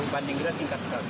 banding kita singkat sekali